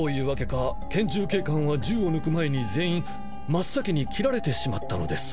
拳銃警官は銃を抜く前に全員真っ先に斬られてしまったのです。